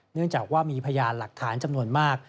เนื่องจากว่ามีพยานหลักฐานจำนวนมาก